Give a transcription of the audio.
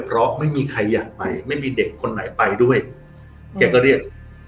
เพราะไม่มีใครอยากไปไม่มีเด็กคนไหนไปด้วยแกก็เรียก